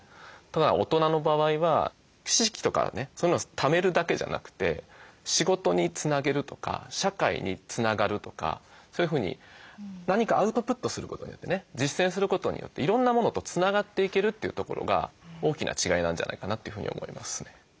ただ大人の場合は知識とかねそういうのをためるだけじゃなくて仕事につなげるとか社会につながるとかそういうふうに何かアウトプットすることによってね実践することによっていろんなものとつながっていけるというところが大きな違いなんじゃないかなというふうに思いますね。